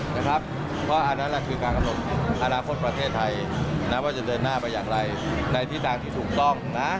เพราะอันนั้นคือการกำหนดอนาคตประเทศไทยนะว่าจะเดินหน้าไปอย่างไรในที่ทางที่ถูกต้องนะ